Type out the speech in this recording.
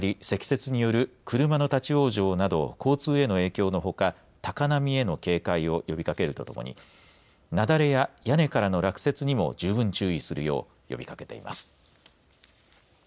積雪による車の立往生など交通への影響のほか高波への警戒を呼びかけるとともに雪崩や屋根からの落雪にも十分注意するよう呼びかけています。